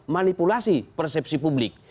manipulasi persepsi publik